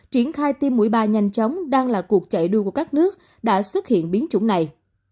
triển khai tiêm mũi ba nhanh chóng đang là cuộc chạy đua của các nước đã xuất hiện biến chủng này